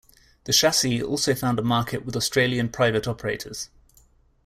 The chassis also found a market with Australian private operators.